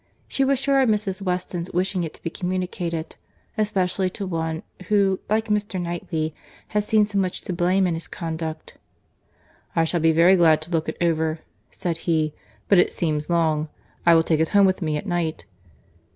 She was sure of Mrs. Weston's wishing it to be communicated; especially to one, who, like Mr. Knightley, had seen so much to blame in his conduct. "I shall be very glad to look it over," said he; "but it seems long. I will take it home with me at night."